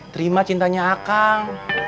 terima cintanya akang